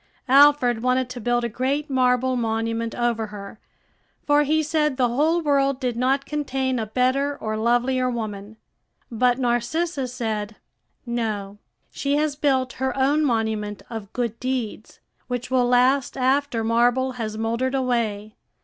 Alfred wanted to build a great marble monument over her; for he said the whole world did not contain a better or lovelier woman. But Narcissa said, "No; she has built her own monument of good deeds, which will last after marble has mouldered away.